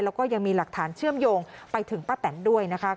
แล้วก็ยังมีหลักฐานเชื่อมโยงไปถึงป้าแตนด้วยนะคะ